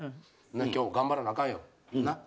今日頑張らなアカンよ。なあ？